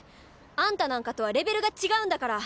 あんたなんかとはレベルが違うんだから！